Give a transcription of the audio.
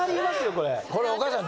これお母さん。